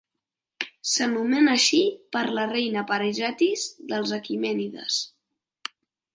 S'anomena així per la reina Parisatis dels aquemènides.